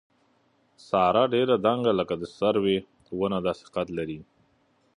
ساره ډېره دنګه لکه د سروې ونه داسې قد لري.